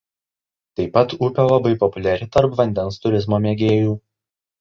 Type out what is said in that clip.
Taip pat upė labai populiari tarp vandens turizmo mėgėjų.